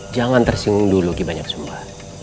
jangan tersinggung dulu ki banyak sumba